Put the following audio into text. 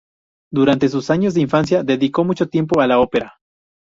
Durante sus años de infancia dedicó mucho tiempo a la ópera.